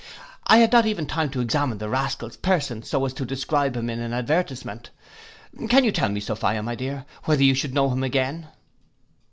I had not even time to examine the rascal's person so as to describe him in an advertisement. Can you tell me, Sophia, my dear, whether you should know him again?